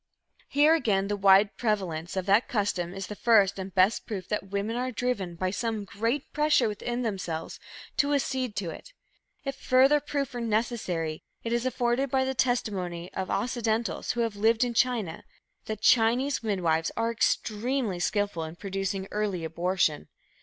Here again the wide prevalence of the custom is the first and best proof that women are driven by some great pressure within themselves to accede to it. If further proof were necessary, it is afforded by the testimony of Occidentals who have lived in China, that Chinese midwives are extremely skillful in producing early abortion.